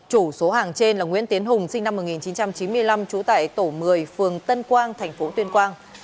chủ số hàng trên là nguyễn tiến hùng sinh năm một nghìn chín trăm chín mươi năm trú tại tổ một mươi phường tân quang thành phố tuyên quang